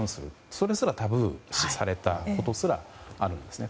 それすらタブー視されたことすらあるんですね。